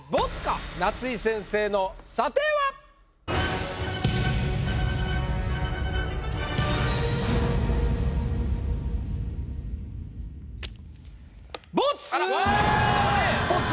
夏井先生の査定は⁉ボツ！